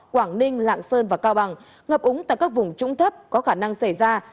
quảng ninh lạng sơn và cao bằng ngập úng tại các vùng trũng thấp có khả năng xảy ra